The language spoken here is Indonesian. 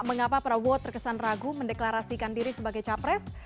mengapa prabowo terkesan ragu mendeklarasikan diri sebagai capres